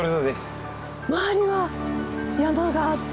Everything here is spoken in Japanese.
周りは山があって。